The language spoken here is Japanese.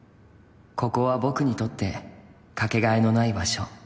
「ここは僕にとってかけがえのない場所」。